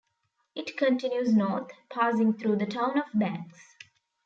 It continues north, passing through the town of Banks.